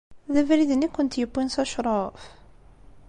D abrid-nni i kent-yewwin s acṛuf?